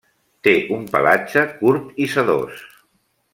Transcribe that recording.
Té un pelatge curt i sedós.